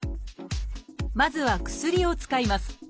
まずは薬を使います。